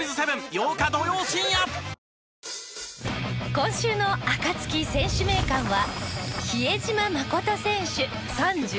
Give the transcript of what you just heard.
今週のアカツキ選手名鑑は。